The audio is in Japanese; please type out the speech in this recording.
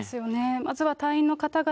まずは隊員の方々